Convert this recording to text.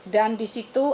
dan di situ